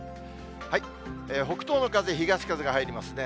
北東の風、東風が入りますね。